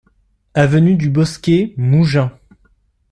Avenue du Bosquet, Mougins